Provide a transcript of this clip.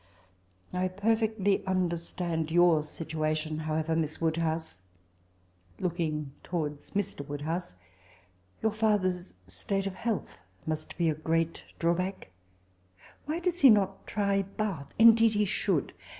I per fectly understand your situation, how ever, Miss Woodhouse (looking towards Mr. WoodbouseX 70^ fiitber^s state of health must be a great drawback. Why does not he try Bath? — Indeed he should.